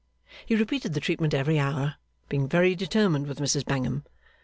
He repeated the treatment every hour, being very determined with Mrs Bangham.